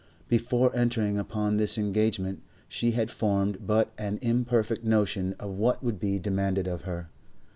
Before entering upon this engagement she had formed but an imperfect notion of what would be demanded of her.